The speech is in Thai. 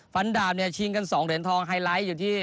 ฟันดาบเนี่ยชิงกัน๒เหรียญทองไฮไลท์อยู่ที่